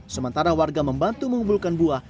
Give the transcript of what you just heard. sementara warga membantu mengumpulkan buah